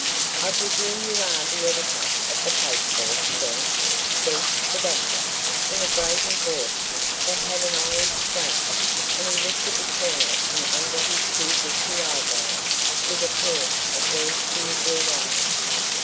"I presume you are the editor of the Post Boy, sir?" says the Doctor, in a grating voice that had an Irish twang; and he looked at the Colonel from under his two bushy eyebrows with a pair of very clear blue eyes.